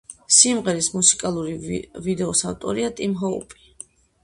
სიმღერის მუსიკალური ვიდეოს ავტორია ტიმ ჰოუპი.